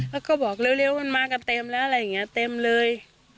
แล้วก็บอกเร็วมันมากันเต็มแล้วอะไรอย่างนี้เต็มเลย